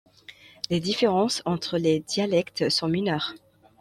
Les différences entre les dialectes sont mineures.